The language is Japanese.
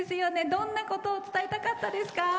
どんなことを伝えたかったですか。